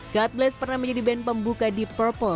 god bless pernah menjadi band pembuka deep purple